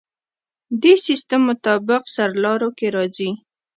دې سیستم مطابق سرلارو کې راځي.